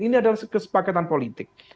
ini adalah kesepakatan politik